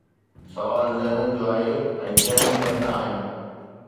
سوال ذهنن جو آهي ۽ ذهن بند آهن.